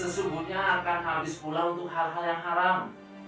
sesungguhnya akan habis pula untuk hal hal yang haram